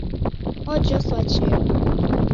Ojoswa cheo